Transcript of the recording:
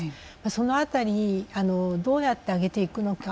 その辺りどうやって上げていくのか。